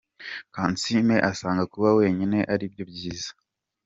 Kansiime asanga kuba wenyine ari byo byiza.